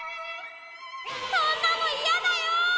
そんなのいやだよ！